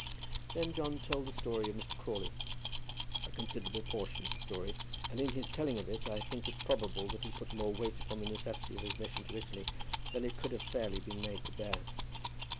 Then John told the story of Mr. Crawley, a considerable portion of the story; and in his telling of it, I think it probable that he put more weight upon the necessity of his mission to Italy than it could have fairly been made to bear.